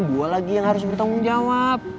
dua lagi yang harus bertanggung jawab